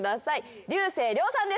竜星涼さんです